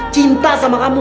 cinta sama kamu